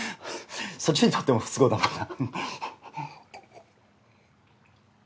そっちにとっても不都合だもんな。